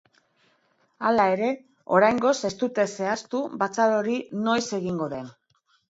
Hala ere, oraingoz ez dute zehaztu batzar hori noiz egingo den.